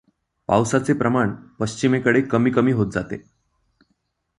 पावसाचे प्रमाण पश्चिमेकडे कमी कमी होत जाते.